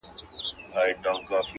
چي د همدې بابا د دولت ثمره خوري